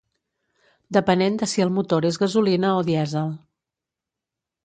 Depenent de si el motor és gasolina o dièsel.